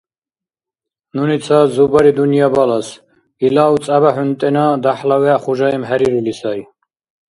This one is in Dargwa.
Нуни ца зубари-дунъя балас, илав цӀябахӀунтӀена дяхӀла вегӀ хужаим хӀерирули сай.